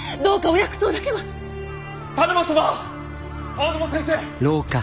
青沼先生！